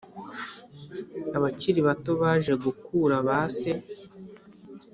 abakiri bato baje gukura base.